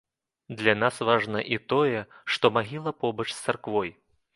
Для нас важна і тое, што магіла побач з царквой.